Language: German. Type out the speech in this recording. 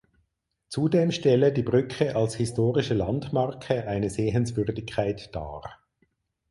Zudem stelle die Brücke als historische Landmarke eine Sehenswürdigkeit dar.